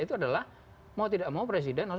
itu adalah mau tidak mau presiden harus